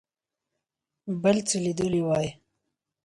بل څه لیدلي وای.